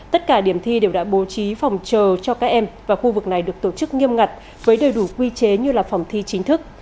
tất cả điểm thi đều đã bố trí phòng chờ cho các em và khu vực này được tổ chức nghiêm ngặt với đầy đủ quy chế như là phòng thi chính thức